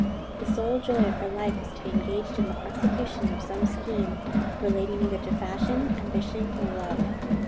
The sole joy of her life is to be engaged in the prosecution of some scheme, relating either to fashion, ambition, or love.